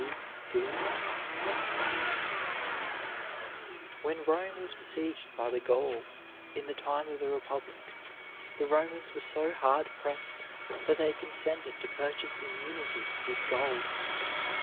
P. D. ARMOUR. When Rome was besieged by the Gauls in the time of the Republic, the Romans were so hard pressed that they consented to purchase immunity with gold.